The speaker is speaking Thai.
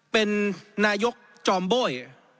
เป็นนายกจอมโบ้ย